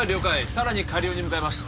さらに下流に向かいます